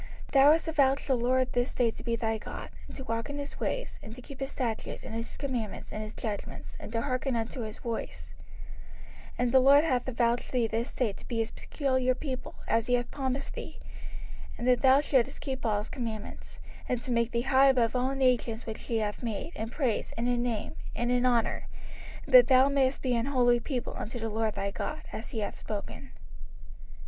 05:026:017 Thou hast avouched the LORD this day to be thy God, and to walk in his ways, and to keep his statutes, and his commandments, and his judgments, and to hearken unto his voice: 05:026:018 And the LORD hath avouched thee this day to be his peculiar people, as he hath promised thee, and that thou shouldest keep all his commandments; 05:026:019 And to make thee high above all nations which he hath made, in praise, and in name, and in honour; and that thou mayest be an holy people unto the LORD thy God, as he hath spoken.